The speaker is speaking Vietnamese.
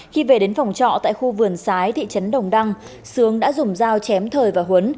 khi về đến phòng trọ tại khu vườn sái thị trấn đồng đăng sướng đã dùng dao chém thời và huấn